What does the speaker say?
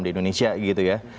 di indonesia gitu ya